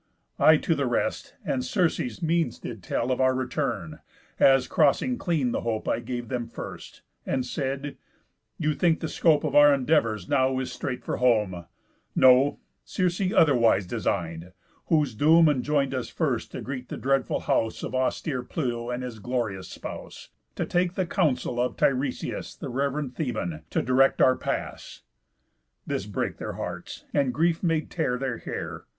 I to the rest, and Circe's means did tell Of our return, as crossing clean the hope I gave them first, and said: 'You think the scope Of our endeavours now is straight for home; No; Circe otherwise design'd, whose doom Enjoin'd us first to greet the dreadful house Of austere Pluto and his glorious spouse, To take the counsel of Tiresias, The rev'rend Theban, to direct our pass.' This brake their hearts, and grief made tear their hair.